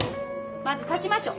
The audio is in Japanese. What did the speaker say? まず立ちましょう。